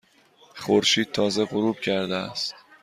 خورشید تازه غروب کرده است.